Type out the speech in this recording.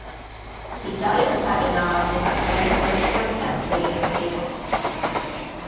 He died in Saginaw and is interred in Bridgeport Cemetery in Bridgeport.